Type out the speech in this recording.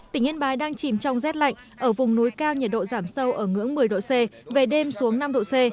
tỉnh yên bái đang chìm trong rét lạnh ở vùng núi cao nhiệt độ giảm sâu ở ngưỡng một mươi độ c về đêm xuống năm độ c